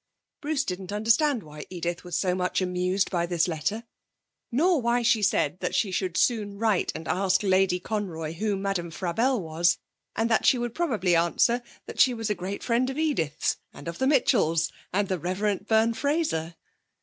Bruce didn't understand why Edith was so much amused by this letter, nor why she said that she should soon write and ask Lady Conroy who Madame Frabelle was, and that she would probably answer that she was a great friend of Edith's and of the Mitchells, and the Rev. Byrne Fraser.